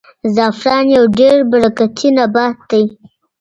زعفران یو ډېر برکتي نبات دی.